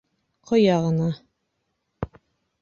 Ҡоя ғына.